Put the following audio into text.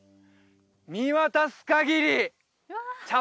見渡すかぎり茶